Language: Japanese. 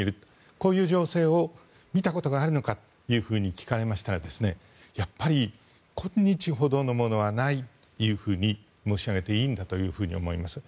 こういう情勢を見たことがあるのかと聞かれましたらやっぱり今日ほどのものはないというふうに申し上げていいんだと思います。